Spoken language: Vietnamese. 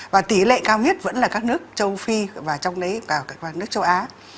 và tỷ lệ cao nhất vẫn là các nước châu phi và trong đấy cả các nước châu á